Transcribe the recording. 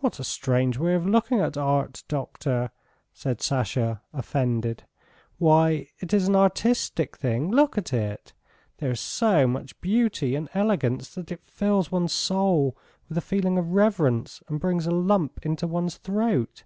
"What a strange way of looking at art, doctor!" said Sasha, offended. "Why, it is an artistic thing, look at it! There is so much beauty and elegance that it fills one's soul with a feeling of reverence and brings a lump into one's throat!